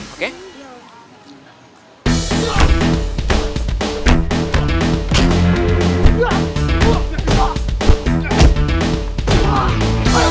apasih ya bang